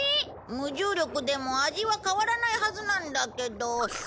無重力でも味は変わらないはずなんだけど。